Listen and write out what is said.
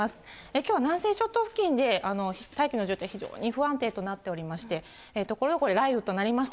きょうが南西諸島付近で大気の状態、非常に不安定となっておりまして、ところどころで雷雨となりました。